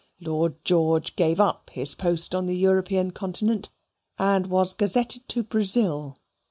Lord George gave up his post on the European continent, and was gazetted to Brazil.